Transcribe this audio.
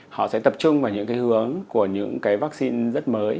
họ sẽ tập trung vào những cái hướng của những cái vaccine rất mới